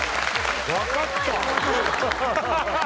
わかった。